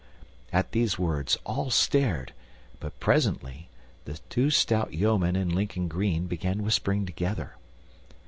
At these words all stared, but presently the two stout yeomen in Lincoln green began whispering together.